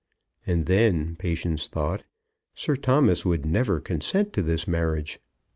And then, Patience thought, Sir Thomas would never consent to this marriage.